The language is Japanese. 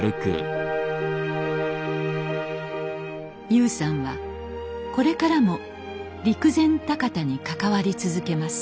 悠さんはこれからも陸前高田に関わり続けます。